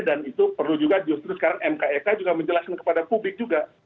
dan itu perlu juga justru sekarang mkek juga menjelaskan kepada publik juga